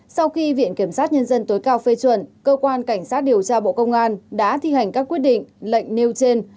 sau khi viện kiểm sát nhân dân tối cao phê chuẩn cơ quan cảnh sát điều tra bộ công an đã thi hành các quyết định lệnh nêu trên